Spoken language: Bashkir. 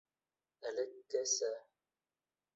Элеккесә.